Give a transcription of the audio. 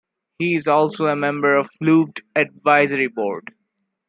He is also a member of Flooved advisory board.